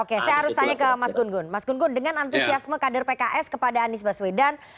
oke saya harus tanya ke mas gun gun mas gun gun dengan antusiasme kader pks kepada anies baswedan